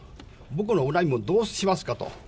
僕の恨みもどうしますかと。